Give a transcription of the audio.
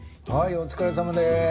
お疲れさまでした。